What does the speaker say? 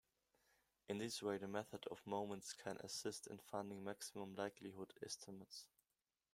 In this way the method of moments can assist in finding maximum likelihood estimates.